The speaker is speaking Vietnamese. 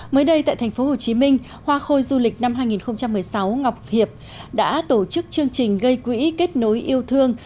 mới đây tại tp hcm hoa khôi du lịch năm hai nghìn một mươi sáu ngọc hiệp đã tổ chức chương trình gây quỹ kết nối yêu thương